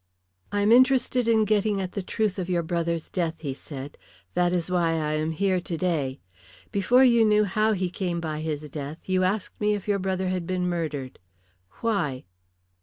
"I am interested in getting at the truth about your brother's death," he said. "That is why I am here today. Before you knew how he came by his death you asked me if your brother had been murdered. Why?"